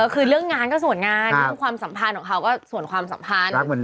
คือเรื่องงานก็ส่วนงานเรื่องความสัมพันธ์ของเขาก็ส่วนความสัมพันธ์